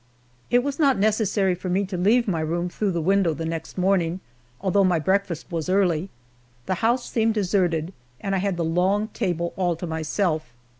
It was not necessary for me to leave my room through the window the next morning, although my breakfast was early. The house seemed deserted, and I had the long table all to myself.